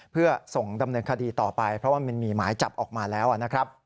เพื่อส่งดำเนินคดีต่อไปเพราะว่ามันมีหมายจับออกมาแล้วนะครับ